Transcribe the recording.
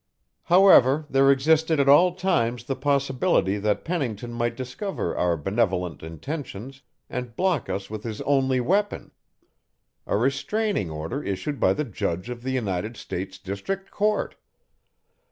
However, there existed at all times the possibility that Pennington might discover our benevolent intentions and block us with his only weapon a restraining order issued by the judge of the United States District Court.